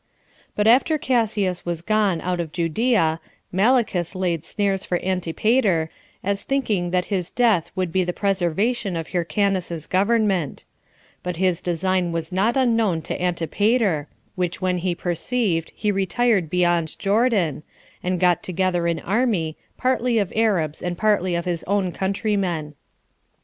3. But after Cassius was gone out of Judea, Malichus laid snares for Antipater, as thinking that his death would be the preservation of Hyrcanus's government; but his design was not unknown to Antipater, which when he perceived, he retired beyond Jordan, and got together an army, partly of Arabs, and partly of his own countrymen.